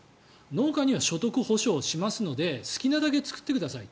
農家には所得保障しますので好きなだけ作ってください。